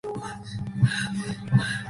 Cuenta con gran aceptación en dicho país.